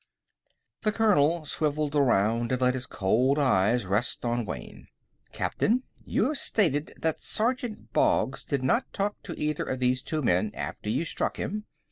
The colonel swivelled around and let his cold eyes rest on Wayne. "Captain, you have stated that Sergeant Boggs did not talk to either of these two men after you struck him.